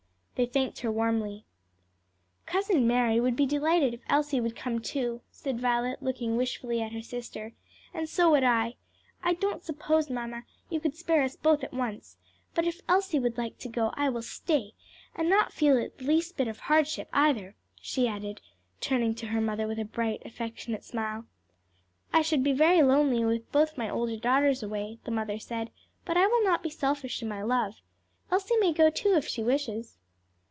They thanked her warmly. "Cousin Mary would be delighted if Elsie would come too," said Violet, looking wishfully at her sister, "and so would I. I don't suppose, mamma, you could spare us both at once, but if Elsie would like to go, I will stay, and not feel it the least bit of a hardship either," she added, turning to her mother with a bright, affectionate smile. "I should be lonely with both my older daughters away," the mother said, "but I will not be selfish in my love. Elsie may go, too, if she wishes."